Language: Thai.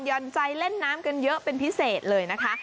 ่อนใจเล่นน้ำกันเยอะเป็นพิเศษเลยนะคะ